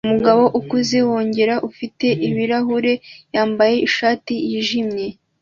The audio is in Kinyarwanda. Umugabo ukuze wogosha ufite ibirahuri yambaye ishati yijimye